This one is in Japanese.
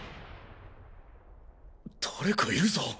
誰かいるぞ！